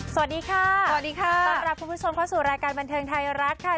สวัสดีค่ะสวัสดีค่ะต้อนรับคุณผู้ชมเข้าสู่รายการบันเทิงไทยรัฐค่ะ